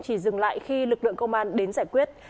chỉ dừng lại khi lực lượng công an đến giải quyết